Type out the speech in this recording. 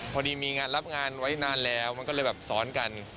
พอดีมีงานรับงานไว้นานแล้วมันก็เลยแบบซ้อนกัน